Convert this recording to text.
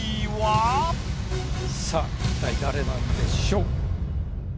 さぁ一体誰なんでしょう？